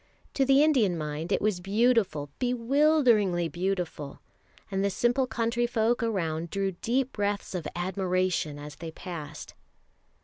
To the Indian mind it was beautiful, bewilderingly beautiful; and the simple country folk around drew deep breaths of admiration as they passed.